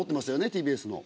ＴＢＳの。